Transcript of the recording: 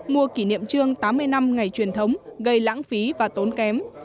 mùa kỷ niệm trương tám mươi năm ngày truyền thống gây lãng phí và tốn kém